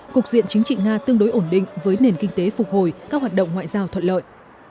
cục diện chính trị nga tương đối ổn định với nền kinh tế phục hồi các hoạt động ngoại giao thuận lợi